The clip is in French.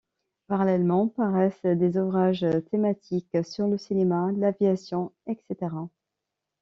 Parallèlement paraissent des ouvrages thématiques sur le cinéma, l'aviation, etc.